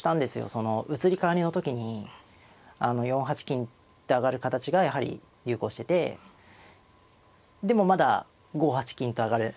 その移り変わりの時にあの４八金って上がる形がやはり流行しててでもまだ５八金と上がる。